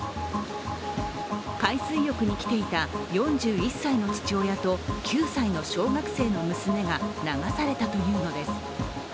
海水浴に来ていた４１歳の父親と小学生の９歳の娘が流されたというのです。